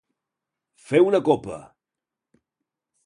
Fer una copa.